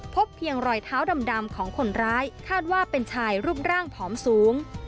พบเพียงรอยเท้าดำของคนร้ายคาดว่าเป็นชายรูปร่างผอมสูง